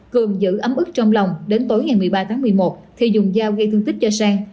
cường giữ ấm ức trong lòng đến tối ngày một mươi ba tháng một mươi một thì dùng dao gây thương tích cho sang